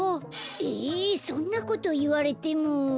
えそんなこといわれても。